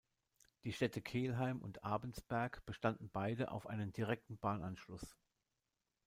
Die Städte Kelheim und Abensberg bestanden beide auf einem direkten Bahnanschluss.